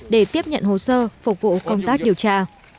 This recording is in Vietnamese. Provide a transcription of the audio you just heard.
để tiếp nhận hồ sơ phục vụ công tác điều tra